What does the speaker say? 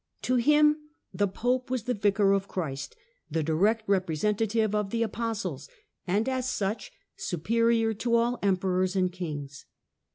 To him the Pope was the Vicar of Christ, the direct representative of the Apostles, and as such superior to all Emperors and kings.